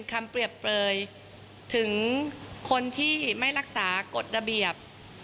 เปรียบเปลยถึงคนที่ไม่รักษากฎระเบียบ